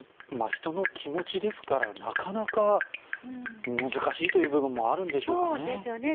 人の気持ちですからなかなか難しいという部分もあるんでしょうかね。